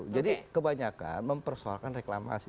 jadi kebanyakan mempersoalkan reklamasi